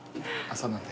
朝なんで。